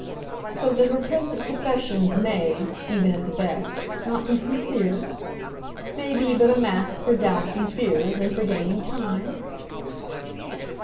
"So that her present professions may, even at the best, not be sincere? may be but a mask for doubts and fears, and for gaining time?"